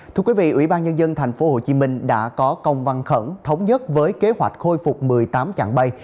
thưa quý vị ủy ban nhân dân tp hcm đã có công văn khẩn thống nhất với kế hoạch khôi phục một mươi tám chặng bay